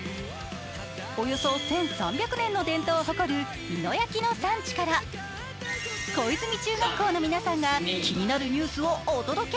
およそ１３００年の伝統を誇る美濃焼の産地から小泉中学校の皆さんが気になるニュースをお届け！